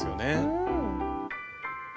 うん。